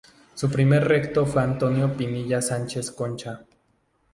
Su primer rector fue Antonio Pinilla Sánchez-Concha.